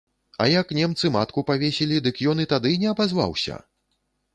А як немцы матку павесілі, дык ён і тады не абазваўся?